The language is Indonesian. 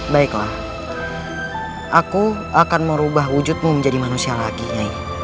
baiklah aku akan merubah wujudmu menjadi manusia lagi